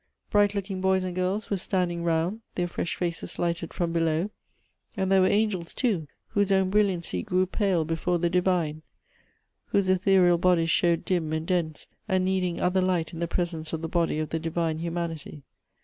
Bright looking boys and girls were standing round, their fresh faces lighted from below ; and there were angels too, whose own brilliancy grew pale before the divine, whose ethereal 210 Goethe's bodies showed dim and dense, and needing other light in tlie presence of the body of the divine humanity.